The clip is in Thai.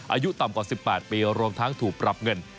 อายุต่ำกว่า๑๘ปีรวมทั้งถูกปรับเงิน